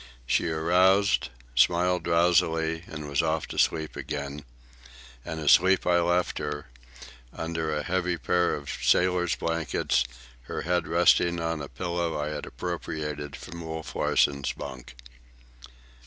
She aroused, smiled drowsily, and was off to sleep again; and asleep I left her, under a heavy pair of sailor's blankets, her head resting on a pillow I had appropriated from Wolf Larsen's bunk.